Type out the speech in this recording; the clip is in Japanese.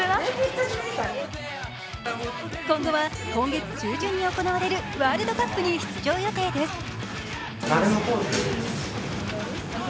今後は、今月中旬に行われるワールドカップに出場予定です。